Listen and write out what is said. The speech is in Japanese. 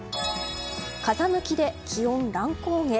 風向きで気温乱高下。